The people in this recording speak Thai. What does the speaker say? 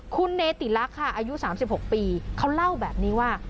คุณเนติลักษณ์ค่ะอายุ๓๖ปีเขาเล่าแบบนี้ว่า